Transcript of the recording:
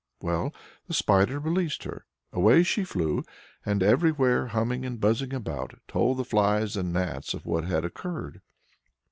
Well, the Spider released her. Away she flew, and everywhere humming and buzzing about, told the flies and gnats of what had occurred.